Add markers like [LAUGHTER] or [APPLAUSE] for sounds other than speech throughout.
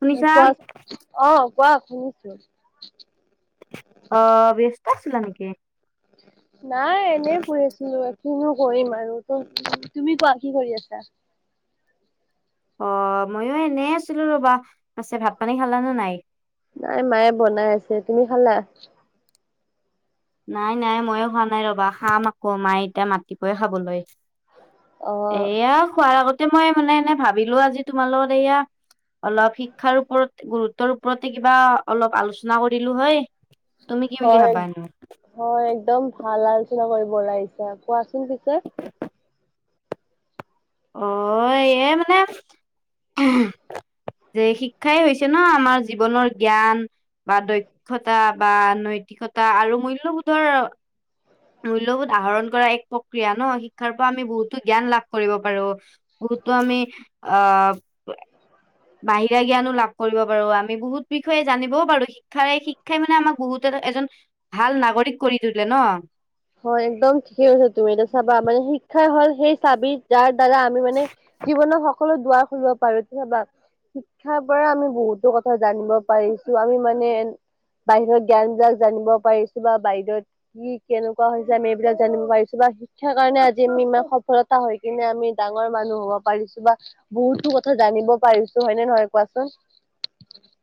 শুনিছা? কোৱা অ কোৱা শুনিছো আহ ব্যস্ত আছিলা নেকি নাই এনেই শুই আছিলো কিনো কৰিম আৰু তুমি কোৱা কি কৰি আছা [INAUDIBLE] অ ময়ো এনে আছিলো ৰবা পাছে ভাত পানী খালানে নাই নাই মায়ে বনাই আছে তুমি খালা নাই নাই ময়ো হোৱা নাই ৰবা খাম আকৌ মায়ে এতিয়া মাতিপয়ে খাবলৈ অ এয়া খোৱাৰ আগতে মই মানে এনে ভাবিলো আজি তোমাৰ লগত এয়া অলপ শিক্ষাৰ ওপৰত গুৰুত্বৰ ওপৰতে কিবা অলপ আলোচনা কৰিলো হয় তুমি কি বুলি হয় ভাবা এনেই হয় একদম ভাল আলোচনা কৰিব ওলাইছে কোৱাচোন পিছে অ এ মানে যে শিক্ষাই হৈছে ন আমাৰ জীৱনৰ জ্ঞান বা দক্ষতা বা নৈতিক অতা আৰু মূল্যবোধৰ মূল্যবোধ আহৰণ কৰা এক প্ৰক্ৰিয়া ন শিক্ষাৰ পৰা আমি বহুতো জ্ঞান লাভ কৰিব পাৰো বতো আমি আ বাহিৰা জ্ঞানো লাভ কৰিব পাৰো আমি বহুত বিষয়ে জানিবও পাৰো শিক্ষাৰে শিক্ষাই মানে আমাক বহুতে এজন ভাল নাগৰিক কৰি তোলে ন হয় একদম ঠিকেই কছ তুমি এতিয়া চাবা মানে শিক্ষা হল সেই চাবি যাৰ দ্বাৰা আমি মানে জীৱনৰ সকলো দুৱাৰ খুলিব পাৰো নাবা শিক্ষাৰ পৰা আমি বহুতো কথা জানিব পাৰিছো আমি মানে বাহিৰত জ্ঞানবিলাক জানিব পাৰিছো বা বাহিৰত কি কেনে কোৱা হৈছে আমি এইবিলাক জানিব পাৰিছো বা শিক্ষাৰ কাৰণে আজি আমি ইমান সফলতা হৈ কিনে আমি ডাঙৰ মানুহ হওক পাৰিছো বা বহুতো কথা জানিব পাৰিছো হয়নে নহয় কোৱাচোন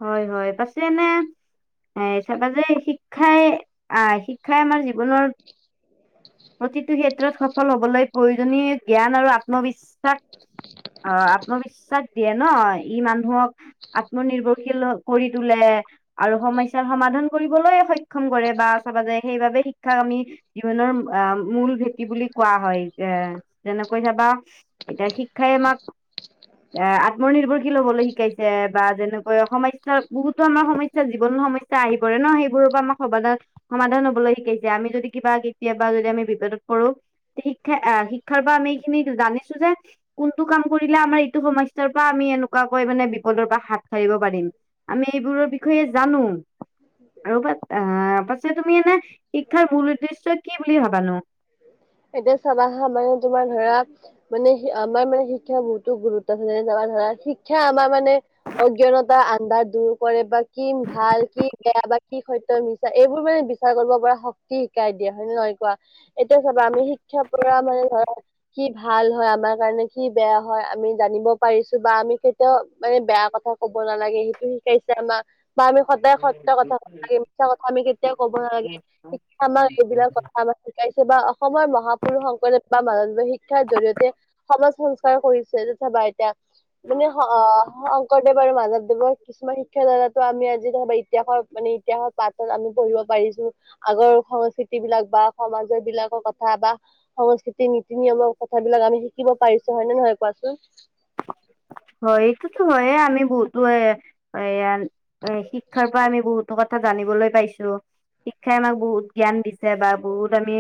হয় হয় পাছে এনে এ চাবা যে শিক্ষাই আহ শিক্ষাই আমাৰ জীৱনৰ প্ৰতিটো ক্ষেত্ৰত সফল হবলৈ প্ৰয়োজনীয় জ্ঞান আৰু আত্মবিশ্বাস অ আত্মবিশ্বাস দিয়ে ন ই মানুহক আত্মনিৰ্ভৰ কৰি তোলে আৰু সমস্যাৰ সমাধান কৰিবলৈ সক্ষম কৰে বা চাবা যে সেইবাবে শিক্ষাক আমি জীৱনৰ অ মূল ভেটি বুলি কোৱা হয় এ যেনেকৈ চাবা এতিয়া শিক্ষাই আমাক এ আত্মনিৰ্ভৰশীল হবলৈ শিকাইছে বা যেনেক হয় সমস্যা বহুতো আমাৰ সমস্যা জীৱনৰ সমস্যা আহি পৰে ন সেইবোৰৰ পৰা আমাৰ সমা সমাধান হ'ব শিকাইছে আমি যদি কিবা কেতিয়াবা যদি আমি বিপদত পৰো শিক্ষা শিক্ষাৰ পৰা আমি এইখিনি জানিছো যে কোনটো কাম কৰিলে আমাৰ এইটো সমস্যাৰ পৰা আমি এনেকোৱাকৈ মানে বিপদৰ পৰা হাত পাৰিম আমি এইবোৰৰ বিষয়ে জানো আৰু প আহ পাছে তুমি এনে শিক্ষাৰ মূল উদ্দেশ্য কি বুলি ভবানো [INAUDIBLE] এতিয়া চাবা হা মানে তোমাৰ ধৰা মানে আমাৰ মানে শিক্ষা বহুতো গুৰুত্ব ধ শিক্ষা আমাৰ মানে অজ্ঞানত আন্ধাৰ দূৰ কৰে বা কি ভাল কি বেয়া বা কি সত্য মিছা এইবোৰ মানে বিচাৰ কৰিব পাৰে শক্তি শিকাই দিয়া হয় ন নহয় কোৱা এতিয়া চাব আমি শিক্ষাৰ পৰা মানে ধৰা কি ভাল হয় আমাৰ কাৰণে কি বেয়া হয় আমি জানিব পাৰিছো বা আমি কেতিয়াও মানে বেয়া কথা কব নালাগে সেইটো শিকাইছে আমাক বা আমি সদায় সত্য কথা লাগে মিছা আমি কেতিয়াও ক'ব নালাগে আমাৰ এইবিলাক কথা আমাক শিকাইছে বা অসমৰ মহাপুৰুষ শংকৰদেৱ বা মানৱৱীয় শিক্ষাৰ জৰিয়তে সমাজ সংস্কাৰ কৰিছে তথাবা এতিয়া মানে অ শংকৰদেৱ মাধৱ দেৱৰ কিছুমান শিক্ষা দাৰাতো আমি আজি ইতিহাস মানে ইতিহাসৰ পাতত আমি পঢ়িব পাৰিছো আগৰ সংস্কৃতি বিলাক বা সমাজৰ বিলাকৰ কথা বা সংস্কৃতিৰ নীতি নিয়মৰ কথাবিলাক আমি শিকিব পাৰিছো হয়নে নহয় কোৱাচোন [INAUDIBLE] হয় এইটোতো হয়ে আমি বহুতো এ এয় এ শিক্ষাৰ পৰা আমি বহুতো কথা ক জানিবলৈ পাইছো শিক্ষাই আমাক বহুত জ্ঞান দিছে বা বহুত আমি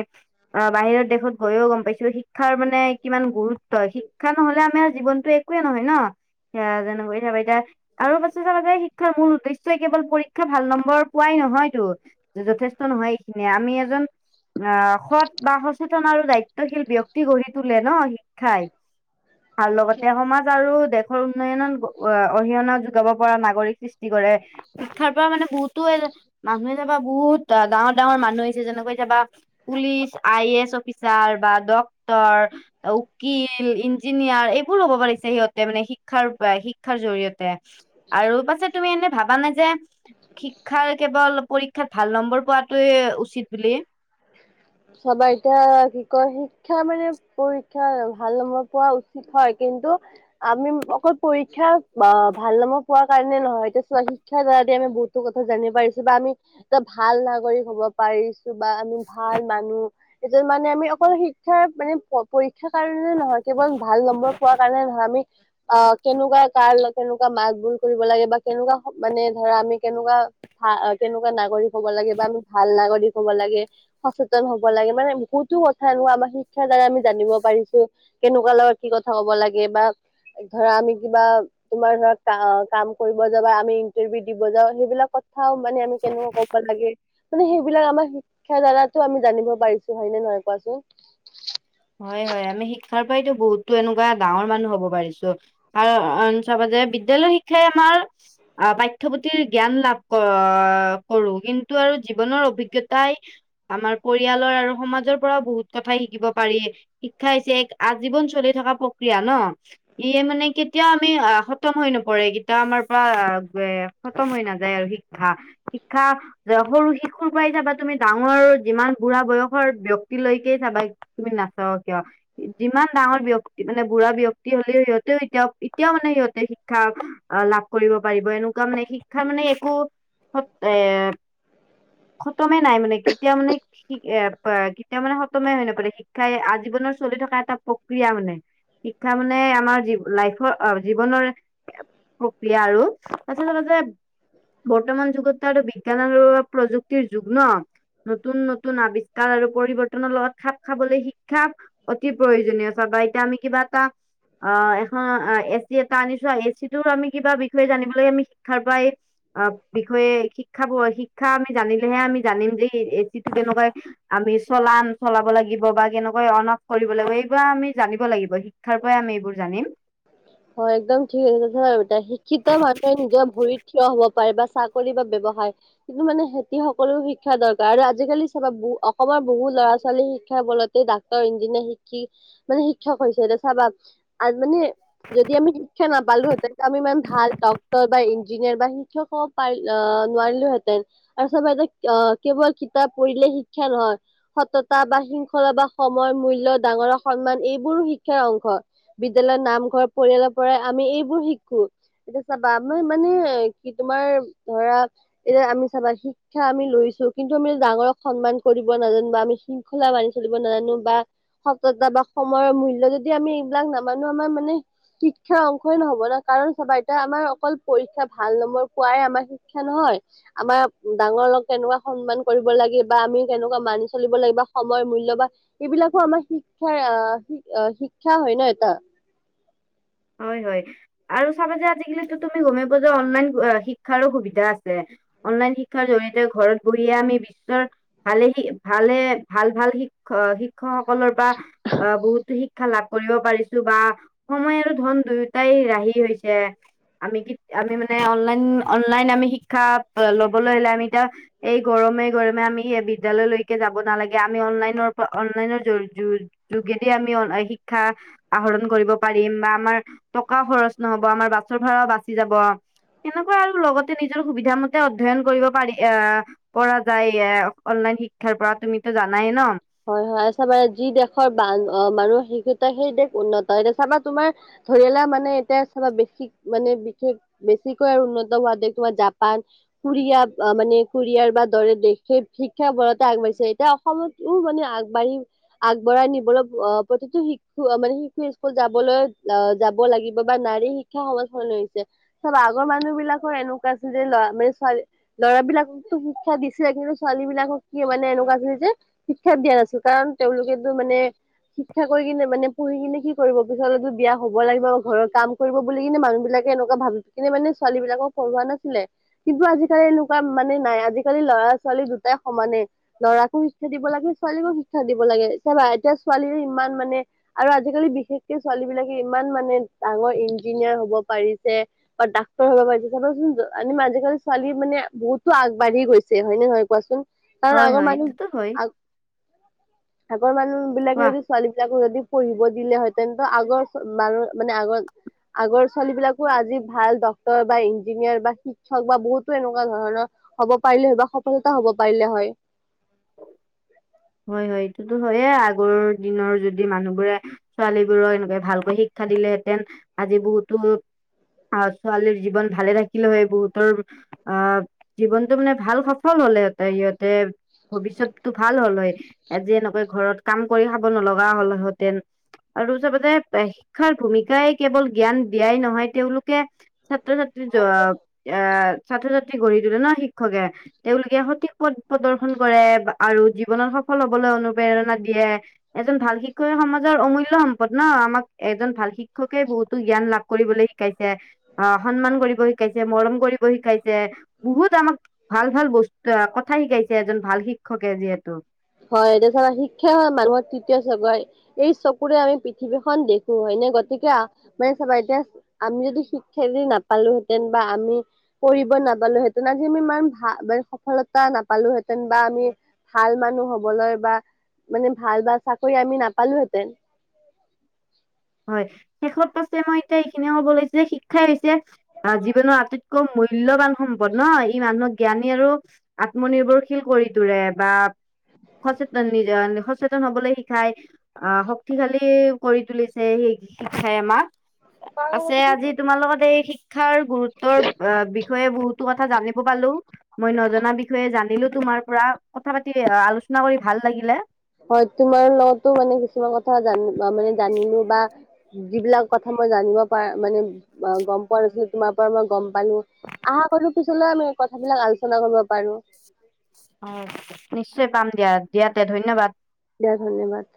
অ বাহিৰৰ দেশত গৈয়ো গম পাইছিলো শিক্ষ শিক্ষাৰ মানে কিমান গুৰুত্ব শিক্ষা নহ'লে আমাৰ জীৱনটো একোৱে নহয় ন! সেয়া যেনিবা [UNINTELLIGIBLE] এতিয়া আৰু পাছে যে শিক্ষাৰ মূল উদ্দেশ্যই কেৱল পৰীক্ষা ভাল নম্বৰ পোৱাই নহয়তো, যথেষ্ট নহয় এইখিনিয়ে। আমি এজন অঁ সৎ বা সচেতন আৰু দায়িত্বশীল ব্যক্তি গঢ়ি তোলে ন খায় আৰু লগতে সমাজ আৰু দেশৰ উন্নয়নত অৰিহণা যোগাব পৰা নাগৰিক সৃষ্টি কৰে। শিক্ষাৰ পৰা মানে বহুতো এ মানুহে বা বহুত ডাঙৰ ডাঙৰ মানুহ হৈছে। যেনেকৈ চাবা police, I A S officer বা ডক্টৰ উকিল, ইঞ্জি শিক্ষাৰপৰাই শিক্ষাৰ জৰিয়তে। আৰু পাছে তুমি এনে ভাবা নে যে শিক্ষাৰ কেৱল পৰীক্ষাত ভাল নম্বৰ পোৱাতোৱে উচিত বুলি। চবেতো এতিয়া কি কয় শিক্ষা মানে পৰীক্ষা ভাল নম্বৰ পোৱা উচিত হয়। কিন্তু কিন্তু আমি অকল পৰীক্ষা ভাল নাম্বৰ পোৱাৰ কাৰণে নহয়, এতিয়া চোৱা শিক্ষাৰ দ্বাৰা আমি বহুতো কথা জানি পাৰিছো বা আমি এটা ভাল নাগৰিক হ'ব পাৰিছো। বা আমি ভাল মানুহ এজন মানে আমি অকল শিক্ষাৰ মানে পৰী শিক্ষ কাৰণে নহয় কেৱল ভাল নম্বৰ পোৱাৰ কাৰণে নহয় আমি অ কেনেকুৱা কাৰ কেনেকুৱা মাত-বোল কৰিব লাগে বা কেনেকুৱা মানে ধৰা আমি কেনেকুৱা ভা কেনেকুৱা নাগৰিক হ'ব লাগে বা আমি ভাল নাগৰিক হ'ব লাগে, সচেতন হ'ব লাগে মানে বহুতো কথা এনেকুৱা আমাৰ শিক্ষাৰ দ্বাৰা আমি জানিব পাৰিছো কেনেকুৱা লগত আমি কি কথা হ'ব লাগে বা ধৰা আমি কিবা তোমাৰ ধৰা কাম কৰিব যাবা, আমি ইন্টাৰভিউ দিব যাওঁ সেইবিলাক কথাও মানে আমি কেনেকুৱা ক'ব লাগে মানে সেইবিলাক আমাৰ শিক্ষাৰদ্বাৰা আমি জানিব পাৰিছো হয় নে নহয় কোৱাচোন? হয় হয় আমি শিক্ষাৰ পৰাইতো বহুতো এনেকুৱা ডাঙৰ মানুহ হ'ব পাৰিছো। কাৰণ ওচৰ-পাজৰে বিদ্যালয় শিক্ষাই আমাৰ আহ পাঠ্যপুথিৰ জ্ঞান লাভ কৰো, কিন্তু আৰু জীৱনৰ অভিজ্ঞতাই আমাৰ পৰিয়ালৰ আৰু সমাজৰ পৰাও বহুত কথাই শিকিব পাৰি। শিক্ষা হৈছে এক আজীৱন চলি থকা প্ৰক্ৰিয়া ন। ই মানে কেতিয়াও আমি খতম হৈ নপৰে। কেতিয়াও আমাৰ পৰা খতম হৈ নাযায় আৰু শিক্ষা শিক্ষা যে সৰু শিশুৰ পাই যাবা তুমি ডাঙৰ যিমান বুঢ়া বয়সৰ ব্যক্তিলৈকে চাবা তুমি নাচাও কিয়, যিমান ডাঙৰ ব্যক্তি মানে বুঢ়া ব্যক্তি হ'লেও সিহঁতে এতিয়াও এতিয়াও মানে সিহঁতে শিক্ষা লাভ কৰিব পাৰিব এনেকুৱা মানে শিক্ষাৰ মানে একো সত এ খতমে নাই মানে কেতিয়া মানে এ অ কেতিয়াও মানে খতমে হৈ নপৰে। শিক্ষাই আ জীৱনৰ চলি থকা এটা প্ৰক্ৰিয়া মানে। শিক্ষা মানে আমাৰ লাইফৰ জীৱনৰ প্ৰক্ৰিয়া আৰু [UNINTELLIGIBLE] বৰ্তমান যুগতটো আৰু বি [UNINTELLIGIBLE] প্ৰযুক্তিৰ যুগ ন। নতুন-নতুন আৱিষ্কাৰ আৰু পৰিৱৰ্তনৰ লগত খাপ খাবলৈ শিক্ষা অতি প্ৰয়োজনীয়। চাবা এতিয়া আমি কিবা এটা অ এখন এচতি এটা আনিছ [UNINTELLIGIBLE] যিটো আমি কিবা বিষয়ে জানিব লাগে, আমি শিক্ষাৰ পৰাই অ বিষয়ে শিক্ষা শিক্ষা আমি জানিলেহে আমি জানিম যে এচিটো কেনেকৈ আমি চলাম, চলাব লাগিব। বা কেনেকৈ অন-অফ কৰিব লাগিব। এইবাৰ আমি জানিব লাগিব। শিক্ষাৰ পৰাই আমি এইবোৰ জানিম হয়, একদম ঠিক [UNINTELLIGIBLE] শিক্ষিত মানুহে নিজৰ ভৰিত থিয় হব পাৰে চাকৰি বা ব্যৱসায়ৰ, কিন্তু মানে সিহতি সকলো শিক্ষা দৰকাৰ আৰু আজিকালি চাবা ব অসমৰ [UNINTELLIGIBLE] বহু ল'ৰা ছোৱালী শিক্ষা বলতে ডাক্তৰ, ইঞ্জিনিয়াৰ, শিক্ষি মানে শিক্ষক হৈছে। এ চাবা আৰু মানে যদি আমি শিক্ষা নাপালোহেঁতেন আমি ইমান ভাল ডক্টৰ বা ইঞ্জিনিয়াৰ বা শিক্ষক পাৰ নোৱাৰিলোহেঁতেন আৰু চাবা এ অ কেৱল কিতাপ পঢ়িলে শিক্ষা নহয়। সততা বা শৃংখলা বা সময়ৰ মূল্য, ডাঙৰৰ সন্মান এইবোৰো শিক্ষাৰ অংশ। বিদ্যালয়, নামঘৰ, পৰিয়ালৰ পৰাই আমি এইবোৰ শিকো। এতিয়া চাবা। আমাৰ মানে কি তোমাৰ ধৰা এতিয়া আমি চাবা শিক্ষা আমি লৈ কিন্তু আমি ডাঙৰক সন্মান কৰিব নাজানো বা আমি শৃংখলা মানি চলিব নাজানো বা সততা বা সময়ৰ মূল্য যদি আমি এইবিলাক নামানো আমাৰ মানে শিক্ষাৰ অংশই নহব ন কাৰণ চাবা এতিয়া আমাৰ অকল পৰীক্ষা ভাল নম্বৰ পোৱাই আমাৰ শিক্ষা নহয়। আমাৰ ডাঙৰ লগ কেনেকুৱা সন্মান কৰিব লাগে বা আমি কেনেকুৱা মানি চলিব লাগিব বা সময় মূল্য বা এইবিলাকো আমাৰ শিক্ষাৰ আহ শি হয় ন এটা। হয় হয় আৰু চাবা যে আজিকালিতো তুমি গমেই পোৱা যা অনলাইন শিক্ষাৰো সুবিধা আছে। অনলাইন শিক্ষাৰ জৰিয়তে ঘৰত বহিয়ে আমি বিশ্বৰ ভালে ভালে ভাল ভাল শ শ শিক্ষকসকলৰ পৰা আহ বহুতো শিক্ষা লাভ কৰিব পাৰিছো বা সময় আৰু ধন দুয়োটাই ৰাহি হৈছে আমি কি আমি মান মানে অনলাইন অনলাইন আমি শিক্ষা লবলৈ হ'লে আমি এতিয়া এই গৰমে গৰমে আমি বিদ্যালয়লৈকে যাব নালাগে আমি অনলাইনৰ পৰা অনলাইনৰ জৰিয়ত যোগেদি আমি শিক্ষা আহৰণ কৰিব পাৰিম বা আমাৰ টকা খৰচ নহব আমাৰ বাছৰ ভ়াও বাচি যাব। সেনেকুৱা আৰু লগতে নিজৰ সুবিধা মতে অধ্যয়ন কৰিব পাৰি আহ পৰা যায় এ অঁ শিক্ষাৰ পৰা তুমিতো জানায়ে ন। হয় হয় আ চ মান যি দেশৰান মানুহ শেই। সেই দেশ উন্নত এতিয়া চাবা তোমাৰ ধৰি মানে এতিয়া চাবা বেক মানে বিশেষ বেছিকৈ আৰু উন্নত হোৱা দেেশ তোমাৰ জাপান কৰিয়া মানে কোৰিয়াৰ বা দৰে দেশে কি বৰতে আগবাঢ়ছে এতিয়া অসমত। উ মানে আগবাঢ়ি আগবঢ়াই নিবলৈ অঁ প্ৰতিটো শিকু মানে শিশু স্কুল যাবলৈ অঁ যাব লাগিব বা নাৰীৰ শিক্ষা সমাধান হৈছে চব আগৰ মানুহ বিলাকৰ এনেকুৱা আছিল যে মানে ছোৱাল ল'ৰাবলাককো শিক্ষা দিছিলে কিন্তু ছোৱালী বিলাকক কি মানে এনেকুৱা আছিলে যে। শিক্ষাত দিয়া নাছিল কাৰণ তেওঁলোকেতো মানে শিক্ষা কৰি কিনে মানে পঢ়ি কিনে কি কৰিব পিছততো বিয়া হ'ব লাগিব ঘৰৰ কাম কৰিব বুলি কিনে মানুহ বিলাক এনেকুৱা ভাবি কিনে মানেোৱালী বিলাকক পঢ়োৱা নাছিলে কিন্তু আজিকালি এনেকুৱা মানে নাই আজিকালি লৰা ল'ৰা ছোৱালী দুটাই সমানে ল'ৰা কো শিক্ষা দিব লাগে ছোৱালীকো শিক্ষা দিব লাগে চাবা এতিয়া ছোৱালীয়ে ইমান মানে আৰু আজিকালি বিশেষকে ছোৱালী বিলাক ইমান মানে ডাঙৰ ইঞ্জিনিয়াৰ হব পাৰিছে বা ডাক্তৰ হব পাৰিছে চাবচোন। মান আজিকালি ছোৱালী মানে বহুতো আগবাঢ়ি গৈছে হয় নে নহয় কোৱাচোন। কাৰণ হয় আগৰ হয় মানুহ এইটো হয়। আগ আগৰ মানুহ বিলাকে কোৱা যদি ছোৱালী বিলাকো যদি পঢ়িব দিলে হয় তেন্তে আগৰ মানুহ মানে আগৰ আগৰ ছোৱালী বিলাকো আজি ভাল ড্ক্তৰ বা ইঞ্জিনিয়াৰ বা শিক্ষক বা বহুতো এনেকুৱা ধৰণৰ হ'ব পাৰিলে হয় বা সফলতা হ'ব পাৰিলে হয়। উ হয় হয় এইটোতো হয়য়ে আগৰ দিনৰ যদি মানুহবোৰে ছোৱালী বোৰক এনেকে ভালকৈ শিক্ষা দিলেহেতেন আজি বহুতো আহ ছোৱালীৰ জীৱন ভালে থাকিলে হয় বহুতৰ অ জীৱনতটো মানে ভাল সফল হলতে ইহঁতে ভৱিষ্যতটো ভাল হ'ল হয়। আজি এনেকৈ ঘৰত কাম কৰি খাব নলগা হ'লহেঁতেন আৰু চবতে শিক্ষাৰ ভূমিকাই কেৱল জ্ঞান দিয়াই নহয় তেওঁলোকে ছাত্ৰ -ছাত্ৰী আহ ছাত্ৰ- ছাত্ৰী গঢ়ি তুলে নহ শিক্ষকে তেওঁলোকে সঠিক পথ প্ৰদৰ্শন কৰে আৰু জীৱনত সফল হবলৈ অনুপ্ৰেৰণা দিয়ে এজন ভাল শিক্ষয় সমাজৰ অমূল্য সম্পদ ন আমাক এজন ভাল শিক্ষকে বহুতো জ্ঞান লাভ কৰিবলৈ শ শিকাইছে অ সন্মান কৰিব শিকাইছে মৰম কৰিব শিকাইছে বহুত আমাক ভাল ভাল। বস কথা শিকাইছে এজন ভাল শিক্ষকে যিহেতু হয় তত শিক্ষা হয় মানুহৰ তৃতীয় চগৰে এই চকুৰে আমি পৃথিৱীখন দেখো হয় নে? গতিকে মানে চাবা এতিয়া আমি যদি শিক্ষা যদি নাপালোহেঁতেন বা আমি কৰিব। নাপালো হেতেন আজি আমি ই ভ মানে সফলতা নাপালোহেঁতেন বা আমি ভাল মানুহ বা মানে ভাল বা চাকৰি আমি নাপালোহেঁতেন হয় শেষত পাছে মই এতিয়া এইখিনিয়ে ক'ব লৈছে যে শিক্ষাই জীৱনৰ আটাইতকৈ মূল্যবান সম্পদ ন ই মানুহক জ্ঞানী আৰু আত্মনিৰ্ভৰশীল কৰি তোৰে বা সচেতন সচেতন হবলৈ শিকাই আহ শক্তিশালী কৰি তুলিছে সেই শিক্ষাই আমাক অঁ আছে আজি তোমাৰ লগত এই শিক্ষাৰ গুৰুত্বৰ বিষয়ে বহুতো কথা জানিব পালো মই নজনা বিষয়ে জানিলো তোমাৰ পৰা কথা পাতি আলোচনা কৰি ভাল লাগিলে হয় তোমাৰ লগতো মানে কিছুমান কথা জান মানে জানিলো বা যিবিলাক কথা মই জানিব প মানে গম পোৱা নাছিলো তোমাৰ পৰা মই গম পালো আশা কৰো পিছলৈ আমি কথাবিলাক আলোচনা কৰিব পাৰো অঁ নিশ্চয় পাম দিয়া দিয়াতে ধন্যবাদ দিয়া ধন্যবাদ।